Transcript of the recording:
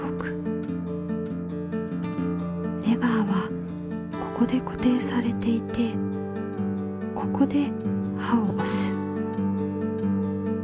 レバーはここでこていされていてここで刃をおす。